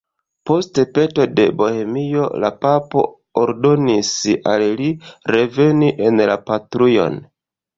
Post peto de Bohemio la papo ordonis al li reveni en la patrujon.